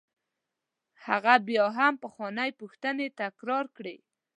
هغه بیا هم پخوانۍ پوښتنې تکرار کړې.